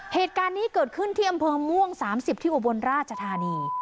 เหตุการณ์นี้เกิดขึ้นที่อำเภอม่วง๓๐ที่อุบลราชธานี